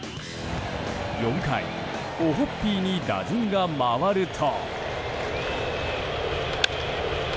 ４回オホッピーに打順が回ると。